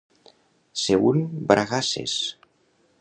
Ser un bragasses.